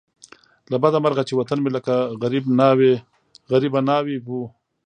له بده مرغه چې وطن مې لکه غریبه ناوې وو.